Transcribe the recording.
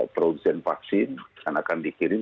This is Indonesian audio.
produksi vaksin karena akan dikirim